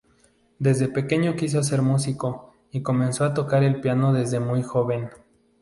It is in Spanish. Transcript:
Desde pequeño quiso ser músico y comenzó a tocar el piano desde muy joven.